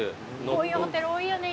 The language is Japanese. こういうホテル多いよね